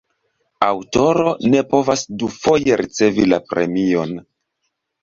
Aŭtoro ne povas dufoje ricevi la premion.